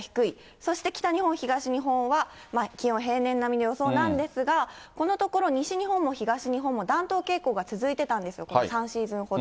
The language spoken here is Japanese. そして北日本、東日本は気温、平年並みの予想なんですが、このところ西日本も東日本も暖冬傾向が続いてたんですよ、３シーズンほど。